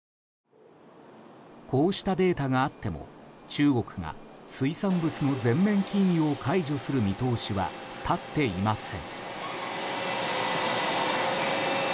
こうしたデータがあっても中国が水産物の全面禁輸を解除する見通しは立っていません。